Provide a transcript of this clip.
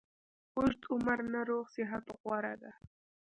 اوږد عمر نه روغ صحت غوره ده